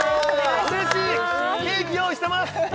嬉しいケーキ用意してます